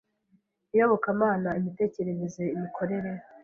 iyobokamana, imitekerereze, imikorere